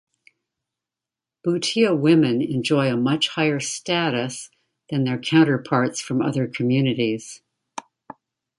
Bhutia women enjoy a much higher status than their counterparts from other communities.